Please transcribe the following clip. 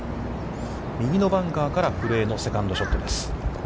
右のバンカーから古江のセカンドショットです。